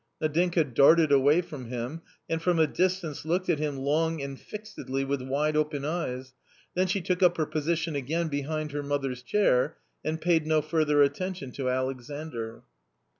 Nadinka darted away from him, and from a distance looked at him long and fixedly with wide open eyes, then she took up her position again behind her mother's chair, and paid no further attention to Alexandr.